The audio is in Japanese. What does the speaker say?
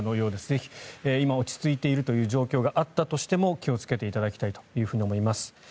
ぜひ、今落ち着いているという状況があったとしても気をつけていただきたいと思います。